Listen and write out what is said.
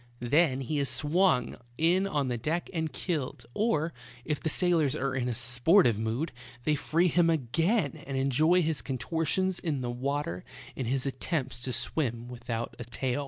Then he is swung in on the deck and killed, or, if the sailors are in a sportive mood, they free him again and enjoy his contortions in the water in his attempts to swim without a tail.